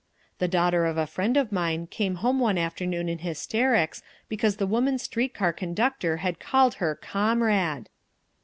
The daughter of a friend of mine came home one afternoon in hysterics because the woman street car conductor had called her "Comrade!"